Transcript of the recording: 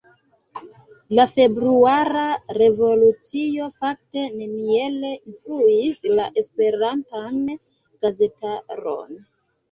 La februara revolucio fakte neniel influis la Esperantan gazetaron.